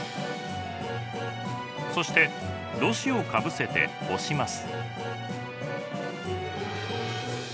そしてろ紙をかぶせて押します。